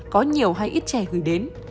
có nhiều hay ít trẻ gửi đến